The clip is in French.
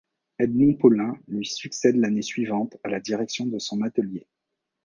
Edmond Paulin lui succède l'année suivante à la direction de son atelier.